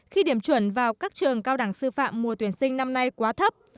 khi điểm chuẩn vào các trường cao đẳng sư phạm mùa tuyển sinh năm nay quá thấp